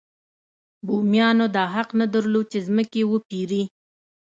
بومیانو دا حق نه درلود چې ځمکې وپېري.